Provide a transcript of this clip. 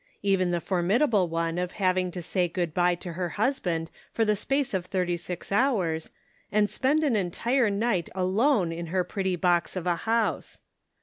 Even the formidable one of hav ing to say good by to her husband for the space of thirty six hours, and spend an en tire night alone in her pretty box of a house